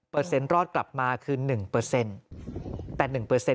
เปอร์เซ็นต์รอดกลับมาคือ๑